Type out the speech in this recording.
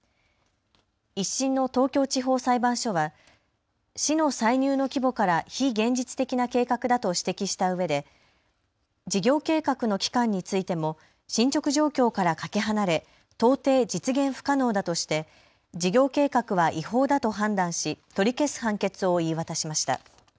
１審の東京地方裁判所は市の歳入の規模から非現実的な計画だと指摘したうえで事業計画の期間についても進捗状況からかけ離れ到底、実現不可能だとして事業計画は違法だと判断し取り消す判決を言い渡しました。